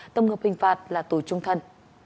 tâm hợp hình phạt là tù trung thân